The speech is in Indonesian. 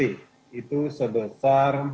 itu sebesar satu lima ratus mw